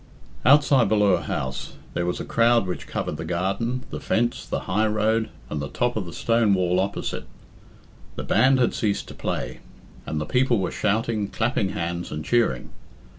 XV. Outside Ballure House there was a crowd which covered the garden, the fence, the high road, and the top of the stone wall opposite. The band had ceased to play, and the people were shouting, clapping hands, and cheering.